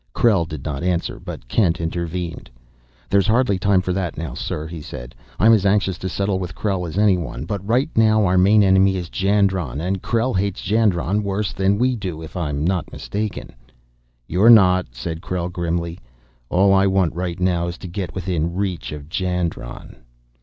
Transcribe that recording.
Krell did not answer, but Kent intervened. "There's hardly time for that now, sir," he said. "I'm as anxious to settle with Krell as anyone, but right now our main enemy is Jandron, and Krell hates Jandron worse than we do, if I'm not mistaken." "You're not," said Krell grimly. "All I want right now is to get within reach of Jandron."